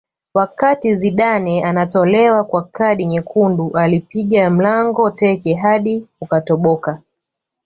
wakati zidane anatolewa kwa kadi nyekundu alipiga mlango teke hadi ukatoboka